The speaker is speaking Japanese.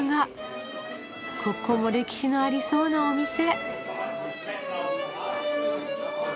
ここも歴史のありそうなお店。